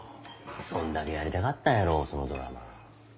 そんだけやりたかったんやろそのドラマ。